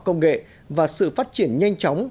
công nghệ và sự phát triển nhanh chóng